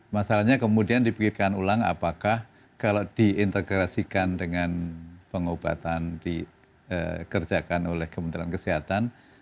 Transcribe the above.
masalahnya kemudian dipikirkan ulang apakah kalau diintegrasikan dengan pengobatan dikerjakan oleh kementerian kesehatan